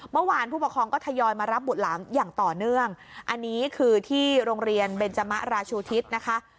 ผู้ปกครองก็ทยอยมารับบุตรหลานอย่างต่อเนื่องอันนี้คือที่โรงเรียนเบนจมะราชูทิศนะคะ